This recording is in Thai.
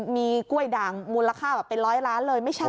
มีกล้วยด่างมูลค่าแบบเป็นร้อยล้านเลยไม่ใช่